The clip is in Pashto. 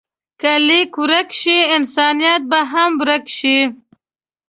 که لیک ورک شي، انسانیت به هم ورک شي.